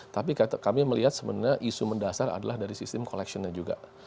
tapi kami melihat sebenarnya isu mendasar adalah dari sistem collectionnya juga